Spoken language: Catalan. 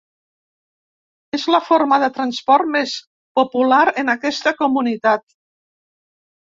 És la forma de transport més popular en aquesta comunitat.